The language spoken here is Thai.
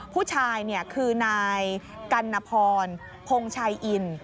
ผู้ชายคือนายกัณฑรพงชัยอิน